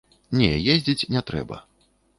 Не, ездзіць не трэба.